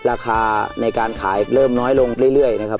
แต่ว่าราคาในการขายเริ่มน้อยลงเรื่อยครับ